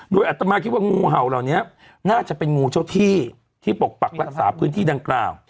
โดยอัตมาคิดว่างูเห่าเหล่านี้น่าจะเป็นงูเจ้าที่ที่ปกปักรักษาพื้นที่ดังกล่าว